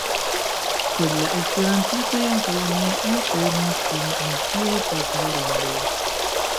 Sed la esperantistoj ankaŭ ne enfermu sin en siaj propraj rondoj.